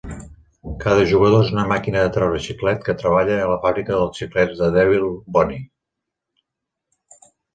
Cada jugador és una màquina de treure xiclet que treballa a la fàbrica de xiclets de Devil Bunny.